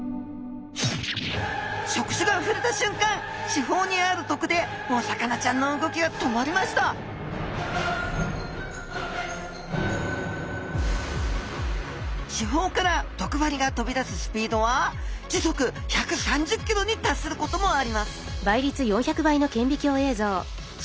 触手がふれたしゅんかん刺胞にある毒でお魚ちゃんの動きが止まりました刺胞から毒針が飛び出すスピードは時速１３０ｋｍに達することもあります